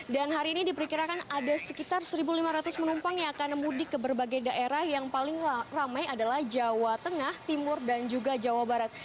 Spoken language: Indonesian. dan hari ini diperkirakan ada sekitar satu lima ratus penumpang yang akan mudik ke berbagai daerah yang paling ramai adalah jawa tengah timur dan juga jawa barat